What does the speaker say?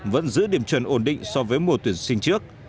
vẫn giữ điểm chuẩn ổn định so với mùa tuyển sinh trước